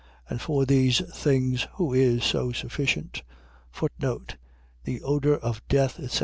And for these things who is so sufficient? The odour of death, etc.